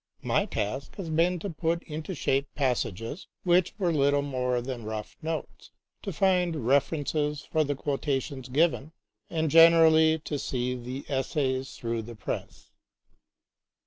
My task has been to put into shape passages which were little more than rough notes, to find references for the quotations given, and generally to see the Essays through the press.